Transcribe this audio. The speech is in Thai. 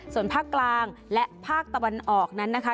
ส่วนภาคกลางและภาคตะวันออกนั้นนะคะ